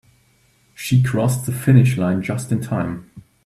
She crossed the finish line just in time.